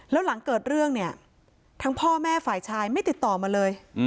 แล้วหลังเกิดเรื่องเนี่ยทั้งพ่อแม่ฝ่ายชายไม่ติดต่อมาเลย